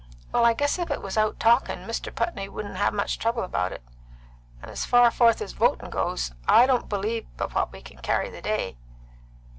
"Well, I guess if it was out talkin', Mr. Putney wouldn't have much trouble about it. And as far forth as votin' goes, I don't believe but what we can carry the day."